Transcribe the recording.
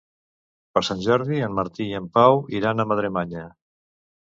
Per Sant Jordi en Martí i en Pau iran a Madremanya.